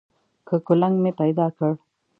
که کولنګ مې پیدا کړ.